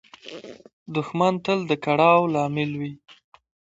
دښمن تل د کړاو لامل وي